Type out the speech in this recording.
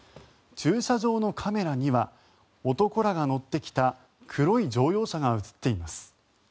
駐車場のカメラには男らが乗ってきた黒い乗用車が映っています。